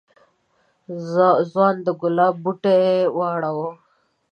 ځوان د گلاب بوټی واړاوه.